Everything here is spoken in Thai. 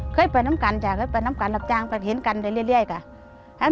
เคยไปน้ำกันจ้ะเคยไปน้ำกันรับจ้างแต่เห็นกันเรียบก่อน